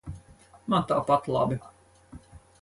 Man tāpat labi.